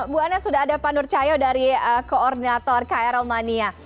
bu ana sudah ada panur cayo dari koordinator krl mania